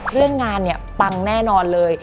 เรื่องงานเนี่ยปังแน่นอนเลย